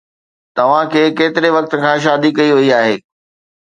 توهان کي ڪيتري وقت کان شادي ڪئي وئي آهي؟